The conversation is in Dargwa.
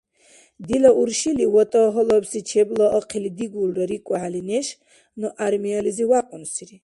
Дила уршили ВатӀа гьалабси чебла ахъили дигулра рикӀухӀели неш ну гӀярмиялизи вякьунсири.